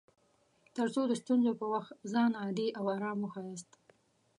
تر څو د ستونزو پر وخت ځان عادي او ارام وښياست